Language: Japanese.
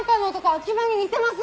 秋葉に似てますよ！